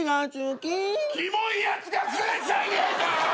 キモいやつが増えちゃいねえか！？